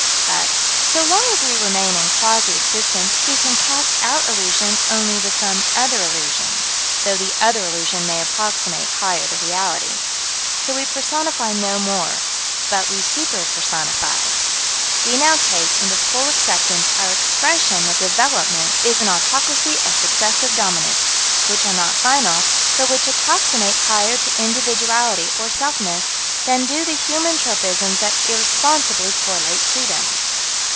But, so long as we remain in quasi existence, we can cast out illusion only with some other illusion, though the other illusion may approximate higher to reality. So we personify no more but we super personify. We now take into full acceptance our expression that Development is an Autocracy of Successive Dominants which are not final but which approximate higher to individuality or self ness, than do the human tropisms that irresponsibly correlate to them.